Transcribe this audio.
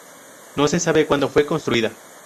No se sabe cuándo fue construida.